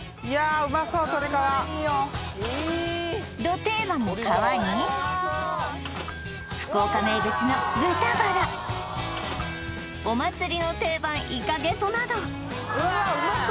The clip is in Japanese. うまいよど定番の皮に福岡名物の豚バラお祭りの定番イカゲソなどうわうまそ